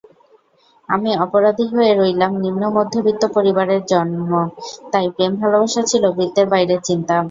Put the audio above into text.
আমি অপরাধী হয়ে রইলামনিম্নমধ্যবিত্ত পরিবারে জন্ম, তাই প্রেম-ভালোবাসা ছিল বৃত্তের বাইরের চিন্তা।